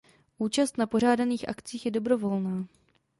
Účast na pořádaných akcích je dobrovolná.